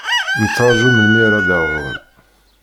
Nettṛaju melmi ara d-awḍen.